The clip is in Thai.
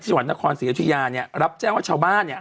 สวรรค์นครศรีรัชญาเนี้ยรับแจ้งว่าชาวบ้านเนี้ย